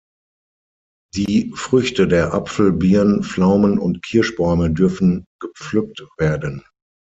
Die Früchte der Apfel-, Birn-, Pflaumen- und Kirschbäume dürfen gepflückt werden.